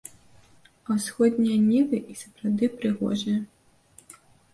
А ўсходнія нівы і сапраўды прыгожыя.